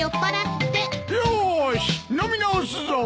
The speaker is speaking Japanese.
よーし飲み直すぞ！